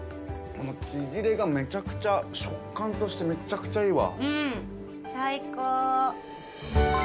ちぢれがめちゃくちゃ食感としてめちゃくちゃいいわ。